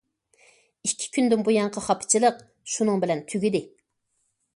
ئىككى كۈندىن بۇيانقى خاپىچىلىق شۇنىڭ بىلەن تۈگىدى.